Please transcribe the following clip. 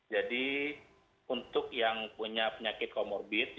jadi untuk yang punya penyakit comorbid